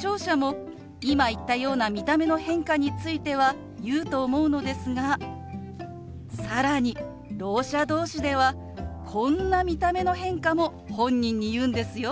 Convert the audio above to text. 聴者も今言ったような見た目の変化については言うと思うのですが更にろう者同士ではこんな見た目の変化も本人に言うんですよ。